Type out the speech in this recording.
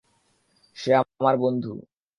সে আমার বন্ধু।